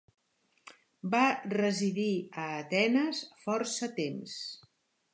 Va residir a Atenes força temps.